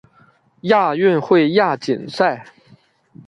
亚运会亚锦赛